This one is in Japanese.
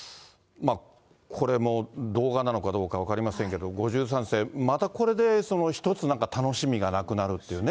これもう動画なのかどうか分かりませんけれども、５３世、またこれ、一つなんか楽しみがなくなるというね。